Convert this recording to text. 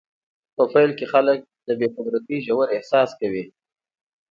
په پیل کې خلک د بې قدرتۍ ژور احساس کوي.